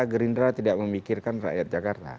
gerindra tidak memikirkan rakyat jakarta